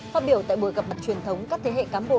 phát biểu tại buổi gặp mặt truyền thống các thế hệ cán bộ